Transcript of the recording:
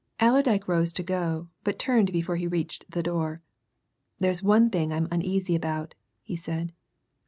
Allerdyke rose to go, but turned before he reached the door. "There's one thing I'm uneasy about," he said.